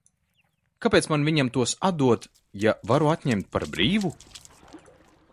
Kāpēc man viņam tos atdot, ja varu atņemt par brīvu?